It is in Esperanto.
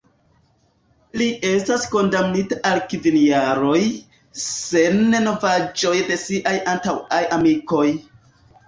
Li estas kondamnita al kvin jaroj, sen novaĵoj de siaj antaŭaj amikoj.